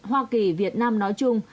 hoa kỳ việt nam nói chung